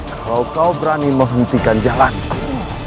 kalau kau berani menghentikan jalanku